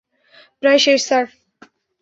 প্রায় শেষ, স্যার।